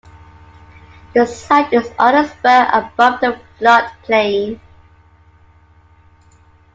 The site is on a spur above the flood plain.